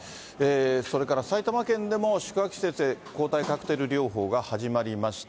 それから埼玉県でも、宿泊施設で抗体カクテル療法が始まりました。